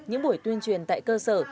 những buổi tuyên truyền tại cơ sở